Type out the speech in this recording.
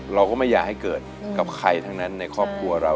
เราก็ไม่อยากให้เกิดกับใครทั้งนั้นในครอบครัวเรา